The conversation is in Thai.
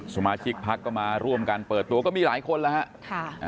สมาชิกพักก็มาร่วมกันเปิดตัวก็มีหลายคนแล้วฮะ